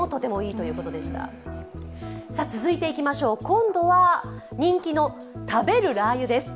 今度は、人気の食べるラー油です。